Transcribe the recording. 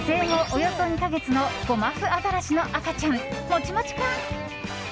およそ２か月のゴマフアザラシの赤ちゃんもちもち君。